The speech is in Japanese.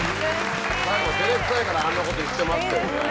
最後照れくさいからあんなこと言ってますけどね。